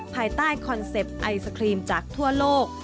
ภายใต้คอนเซ็ปต์ไอศครีมจากทั่วโลก